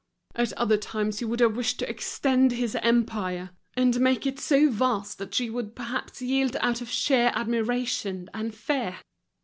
At other times he would have wished to extend his empire, and make it so vast that she would perhaps yield out of sheer admiration and fear.